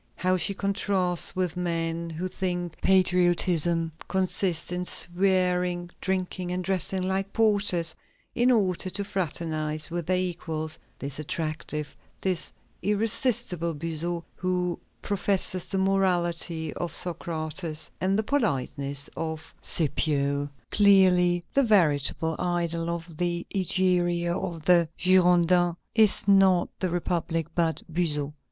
How she contrasts with men who think patriotism consists in "swearing, drinking, and dressing like porters, in order to fraternize with their equals," this attractive, this irresistible Buzot, who "professes the morality of Socrates and the politeness of Scipio"! Clearly, the veritable idol of the Egeria of the Girondins is not the republic, but Buzot.